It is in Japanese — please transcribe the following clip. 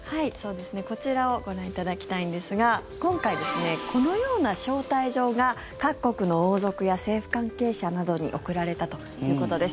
こちらをご覧いただきたいんですが今回、このような招待状が各国の王族や政府関係者などに送られたということです。